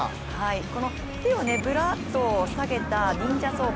この、手をぶらっと下げた忍者走法